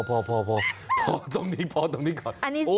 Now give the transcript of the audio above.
พอพอตรงนี้ก่อน